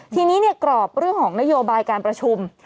ทีนี้กรอบเรื่องของนโยบายการประชุม